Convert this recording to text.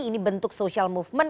ini bentuk social movement